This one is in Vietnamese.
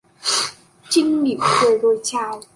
Trinh mỉm cười rồi chào